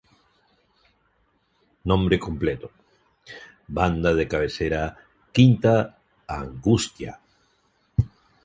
Nombre completo: Banda de Cabecera "Quinta Angustia".